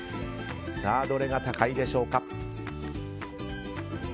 どれが高いでしょうか。